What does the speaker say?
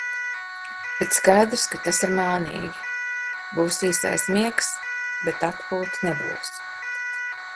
Bet skaidrs, ka tas ir mānīgi. Būs īsais miegs, bet atpūta nebūs.